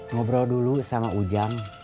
ngobrol dulu sama ujang